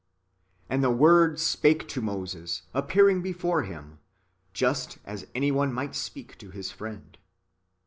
And the Word spake to Moses, appearing before liim, " just as any one might speak to his friend."